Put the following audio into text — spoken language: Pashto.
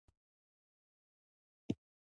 تمساح په اوبو کي کمین نیسي.